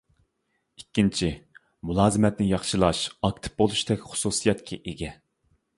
ئىككىنچى، مۇلازىمەتنى ياخشىلاش ئاكتىپ بولۇشتەك خۇسۇسىيەتكە ئىگە.